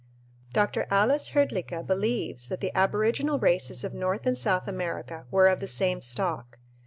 Dr. Ales Hrdlicka believes that the aboriginal races of North and South America were of the same stock.